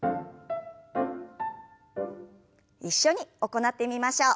一緒に行ってみましょう。